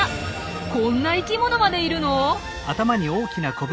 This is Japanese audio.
こんな生きものまでいるの！？